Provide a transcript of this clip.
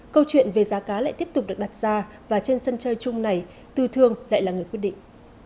câu chuyện về giá cá lại tiếp tục được đặt ra và trên sân chơi chung này tư thương lại là người quyết định